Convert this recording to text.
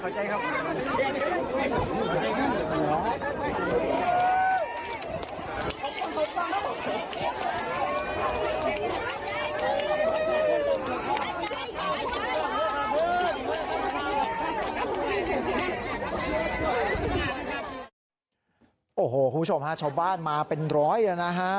คุณผู้ชมฮะชาวบ้านมาเป็นร้อยนะฮะ